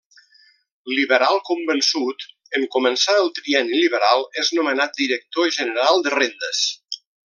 Liberal convençut, en començar el Trienni liberal, és nomenat director general de Rendes.